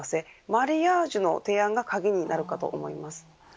マリアージュの提案が鍵になります。